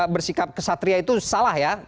bersikap kesatria itu salah ya